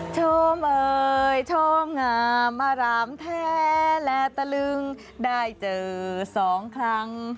โชมเอ่ยชมงามอารามแท้และตะลึงได้เจอสองครั้ง